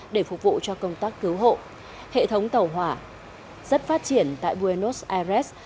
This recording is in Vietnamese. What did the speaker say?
để phục vụ cho công tác cứu hộ hệ thống tàu hỏa rất phát triển tại buenos aires